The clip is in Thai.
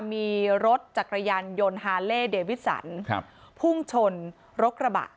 มีรถจักรยานยนต์ฮาเล่เดวิสันพุ่งชนรถกระบะ